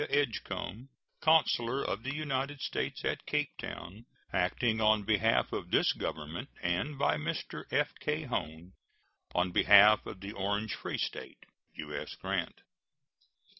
Edgcomb, consul of the United States at Cape Town, acting on behalf of this Government, and by Mr. F.K. Höhne on behalf of the Orange Free State. U.S. GRANT.